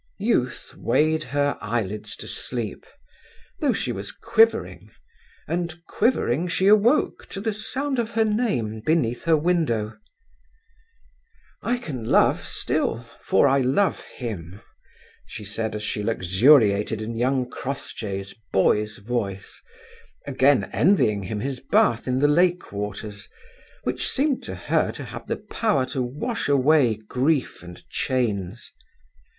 Youth weighed her eyelids to sleep, though she was quivering, and quivering she awoke to the sound of her name beneath her window. "I can love still, for I love him," she said, as she luxuriated in young Crossjay's boy's voice, again envying him his bath in the lake waters, which seemed to her to have the power to wash away grief and chains.